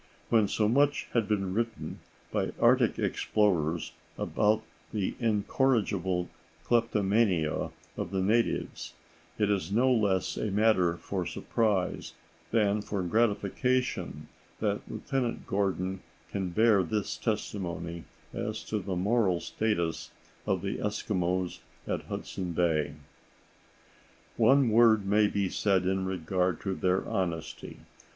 When so much has been written by Arctic explorers about the incorrigible kleptomania of the natives, it is no less a matter for surprise than for gratification that Lieutenant Gordon can bear this testimony as to the moral status of the Eskimos at Hudson Bay: "One word may be said in regard to their honesty.